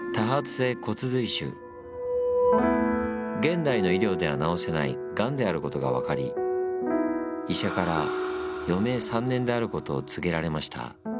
現代の医療では治せないがんであることが分かり医者から余命３年であることを告げられました。